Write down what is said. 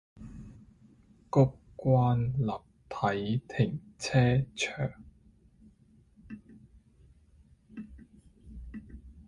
谷關立體停車場